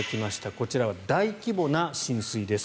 こちらは大規模な浸水です。